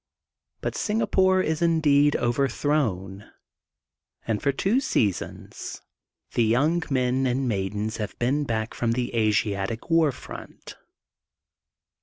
But Singapore is indeed overthrown and for two seasons the young men and maidens have been back from the Asiatic war front.